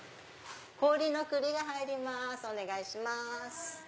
氷の栗が入りますお願いします。